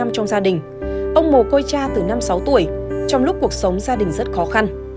đồng chí nguyễn văn linh ông mồ côi cha từ năm sáu tuổi trong lúc cuộc sống gia đình rất khó khăn